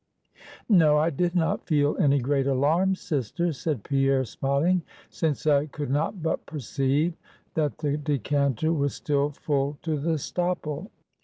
"No, I did not feel any great alarm, sister," said Pierre, smiling, "since I could not but perceive that the decanter was still full to the stopple."